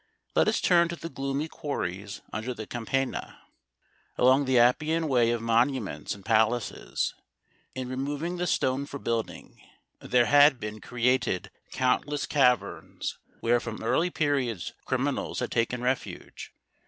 Let us turn to the gloomy quarries under the Cam pagna. Along the Appian Way of monuments and palaces, in removing the stone for building, there had been created countless caverns where from early periods criminals had taken refuge.